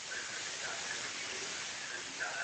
ولي زیارکښ کس د ذهین سړي په پرتله موخي ترلاسه کوي؟